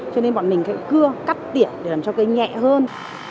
cho nên bọn mình phải cưa cắt tiện để làm cho cây nhẹ hơn